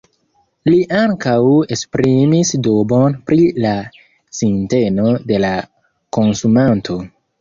Li ankaŭ esprimis dubon pri la sinteno de la konsumanto.